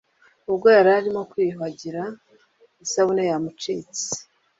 ubwo yari arimo kwiyuhagira isabune yaramucitse.